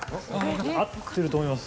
合ってると思います。